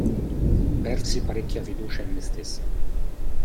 Persi parecchia fiducia in me stessa.